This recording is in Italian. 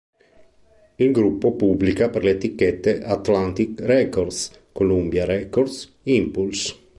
Il gruppo pubblica per le etichette Atlantic Records, Columbia Records, Impulse!